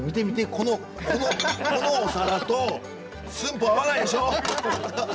このお皿と寸法合わないでしょ！